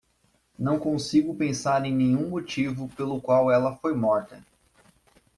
Não consigo pensar em nenhum motivo pelo qual ela foi morta.